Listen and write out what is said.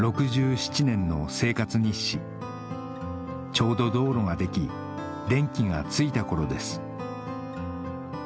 ちょうど道路ができ電気がついた頃です